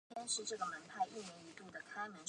在班台闸以下洪河左岸建有洪河分洪道。